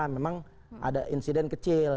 memang ada insiden kecil